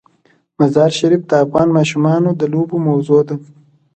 مزارشریف د افغان ماشومانو د لوبو موضوع ده.